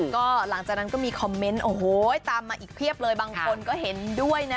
ก็หลังจากนั้นก็มีคอมเมนต์โอ้โหตามมาอีกเพียบเลยบางคนก็เห็นด้วยนะ